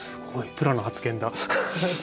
プロの発言だ。